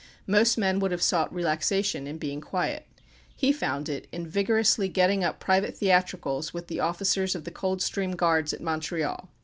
Most men would have sought relaxation in being quiet. He found it in vigorously getting up private theatricals with the officers of the Coldstream Guards, at Montreal.